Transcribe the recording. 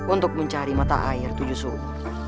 untuk mencari mata air tujuh sum